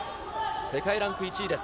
世界ランク１位です。